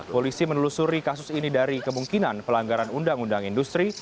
polisi menelusuri kasus ini dari kemungkinan pelanggaran undang undang industri